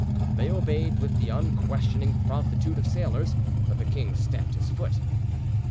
They obeyed with the unquestioning promptitude of sailors; but the king stamped his foot.